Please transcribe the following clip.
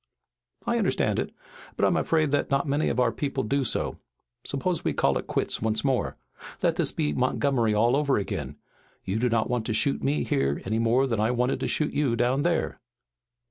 "I understand it, but I'm afraid that not many of our people do so. Suppose we call it quits once more. Let this be Montgomery over again. You do not want to shoot me here any more than I wanted to shoot you down there."